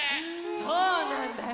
そうなんだよ。